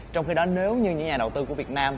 trong khi đó nếu như những nhà đầu tư của việt nam